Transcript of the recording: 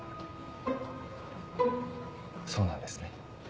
そうなんですね。